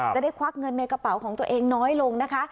ควักเงินในกระเป๋าของตัวเองน้อยลงนะคะ